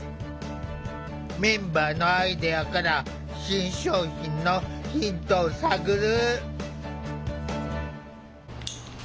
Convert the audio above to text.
メンバーのアイデアから新商品のヒントを探る。